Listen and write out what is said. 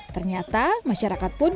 ternyata masyarakat pun benar